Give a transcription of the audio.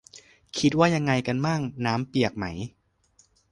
คิดว่ายังไงกันมั่ง ? น้ำเปียกไหม ?